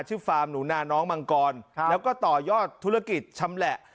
ฟาร์มหนูนาน้องมังกรแล้วก็ต่อยอดธุรกิจชำแหละ